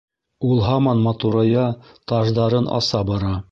Ул һаман матурая, таждарын аса бара.